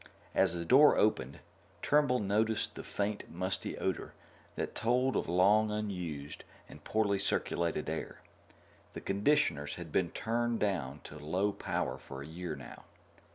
As the door opened, Turnbull noticed the faint musty odor that told of long unused and poorly circulated air. The conditioners had been turned down to low power for a year now.